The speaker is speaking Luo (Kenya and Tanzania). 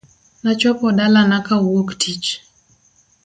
Nachopo dalana kawuok tich .